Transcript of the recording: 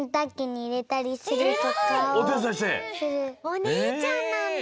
おねえちゃんなんだ。